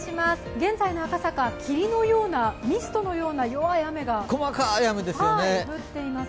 現在の赤坂、霧のような、ミストのような細かい雨が降っています。